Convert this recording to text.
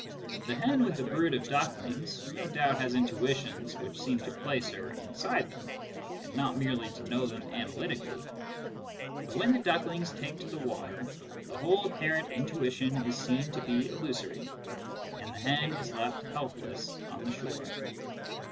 The hen with a brood of ducklings no doubt has intuitions which seem to place her inside them, and not merely to know them analytically ; but when the ducklings take to the water, the whole apparent intuition is seen to be illusory, and the hen is left helpless on the shore.